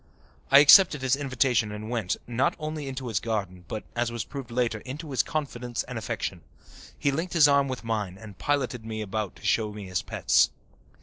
I accepted his invitation and went, not only into his garden but, as was proved later, into his confidence and affection. He linked his arm with mine and piloted me about to show me his pets.